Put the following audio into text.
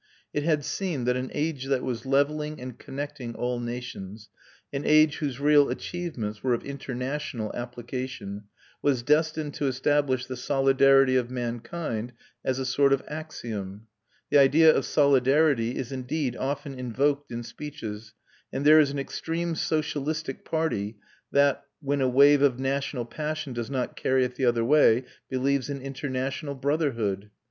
It had seemed that an age that was levelling and connecting all nations, an age whose real achievements were of international application, was destined to establish the solidarity of mankind as a sort of axiom. The idea of solidarity is indeed often invoked in speeches, and there is an extreme socialistic party that when a wave of national passion does not carry it the other way believes in international brotherhood.